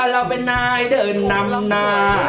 เราเป็นนายเดินนำลำนา